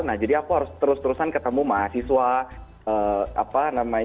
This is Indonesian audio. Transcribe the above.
nah jadi aku harus terus terusan ketemu mahasiswa apa namanya ngurusin biasiswa dan lain sebagainya